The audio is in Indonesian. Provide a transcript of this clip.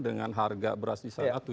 dengan harga beras di sana